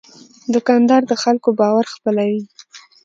دوکاندار د خلکو باور خپلوي.